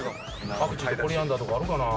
パクチーとかコリアンダーとかあるかな。